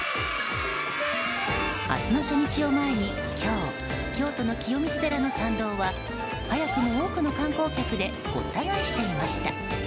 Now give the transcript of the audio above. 明日の初日を前に今日、京都の清水寺の参道は早くも多くの観光客でごった返していました。